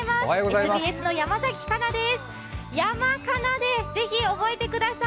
ＳＢＳの山崎加奈です。